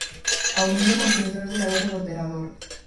A Unión de Consumidores de Galicia do operador.